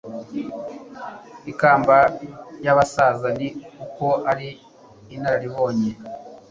ikamba ry'abasaza, ni uko ari inararibonye